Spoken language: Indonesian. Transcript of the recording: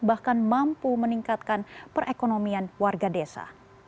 bahkan mampu meningkatkan perekonomian warga desa